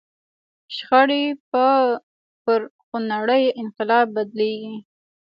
شخړې به پر خونړي انقلاب بدلېږي.